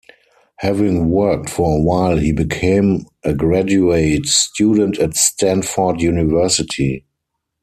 Having worked for a while, he became a graduate student at Stanford University.